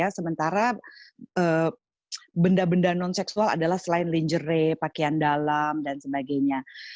sementara benda benda non seksual adalah selain lingerre pakaian dalam dan sebagainya